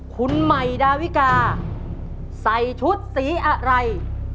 คุณใหม่ดาวิกาใส่ชุดสีอะไร